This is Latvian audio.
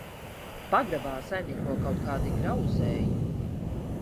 Pagrabā saimnieko kaut kādi grauzēji.